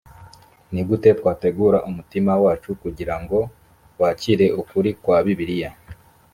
ni gute twategura umutima wacu kugira ngo wakire ukuri kwa bibiliya